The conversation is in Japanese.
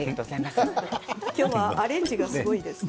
今日はアレンジがすごいです。